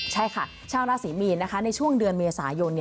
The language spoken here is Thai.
ใช่ค่ะชาวราศีมีนในช่วงเดือนเมษายน